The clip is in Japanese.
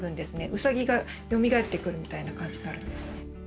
ウサギがよみがえってくるみたいな感じになるんですね。